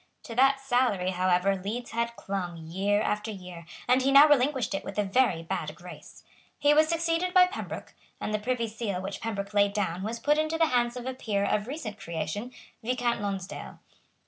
To that salary, however, Leeds had clung, year after year; and he now relinquished it with a very bad grace. He was succeeded by Pembroke; and the Privy Seal which Pembroke laid down was put into the hands of a peer of recent creation, Viscount Lonsdale.